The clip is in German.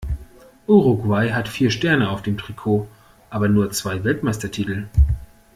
Uruguay hat vier Sterne auf dem Trikot, aber nur zwei Weltmeistertitel.